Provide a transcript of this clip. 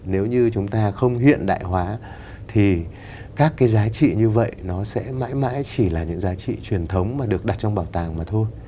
nếu như chúng ta không hiện đại hóa thì các cái giá trị như vậy nó sẽ mãi mãi chỉ là những giá trị truyền thống mà được đặt trong bảo tàng mà thôi